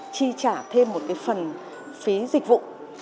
chỉ trả thêm một cái phần phí dịch vụ